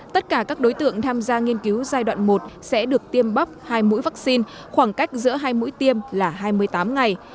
tất cả các đối tượng tham gia nghiên cứu giai đoạn một sẽ được tiêm bắp hai mũi vaccine khoảng cách giữa hai mũi tiêm là hai mươi tám ngày